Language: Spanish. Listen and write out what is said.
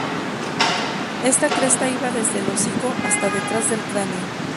Esta cresta iba desde el hocico hasta detrás del cráneo.